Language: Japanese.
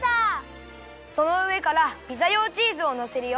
そのうえからピザ用チーズをのせるよ。